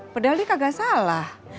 pedali kagak salah